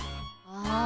ああ。